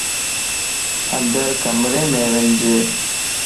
اندر ڪمريءَ مَ وڃ